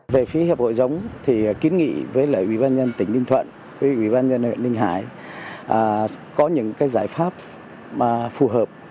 về phía hiệp hội giống thì kiến nghị với lại ủy ban nhân tỉnh ninh thuận với ủy ban nhân huyện ninh hải có những cái giải pháp mà phù hợp